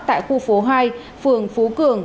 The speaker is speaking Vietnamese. tại khu phố hai phường phú cường